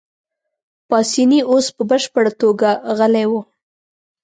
پاسیني اوس په بشپړه توګه غلی وو.